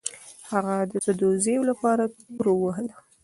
هغه د سدوزیو لپاره توره ووهله.